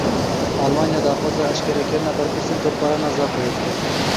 Almanya daxwaza eşkerekirina berpirsên topbarana Zaxoyê dike.